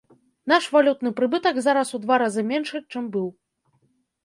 Наш валютны прыбытак зараз у два разы меншы, чым быў.